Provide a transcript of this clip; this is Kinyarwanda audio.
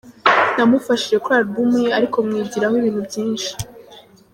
Namufashije kuri album ye ariko mwigiraho ibintu byinshi.